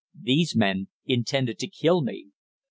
These men intended to kill me!